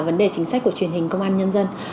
vấn đề chính sách của truyền hình công an nhân dân